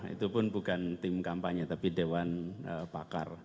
itu pun bukan tim kampanye tapi dewan pakar